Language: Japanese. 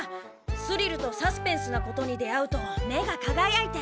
スリルとサスペンスなことに出会うと目がかがやいて。